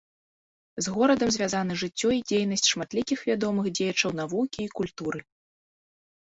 З горадам звязаны жыццё і дзейнасць шматлікіх вядомых дзеячаў навукі і культуры.